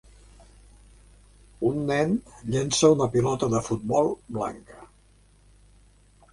Un nen llença una pilota de futbol blanca.